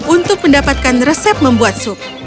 untuk mendapatkan resep membuat sup